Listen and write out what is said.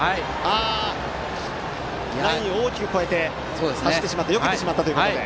ラインを大きく越えて走ってしまったよけてしまったということで。